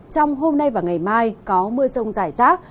trong hôm nay và ngày mai có mưa rông rải rác